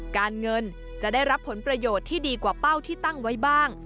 การเงินจะได้รับผลประโยชน์ที่ดีกว่าเป้าที่ตั้งไว้บ้าง